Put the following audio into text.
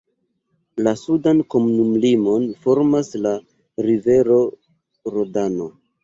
La sudan komunumlimon formas la rivero Rodano.